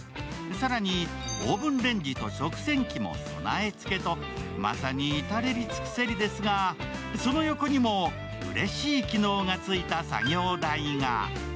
更に、オーブンレンジと食洗機も備えつけとまさに至れり尽くせりですが、その横にもうれしい機能がついた作業台が。